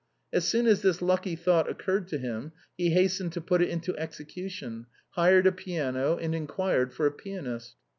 As soon as this lucky thought occurred to him, he hastened to put it into execution, hired a piano, and inquired for a pianist.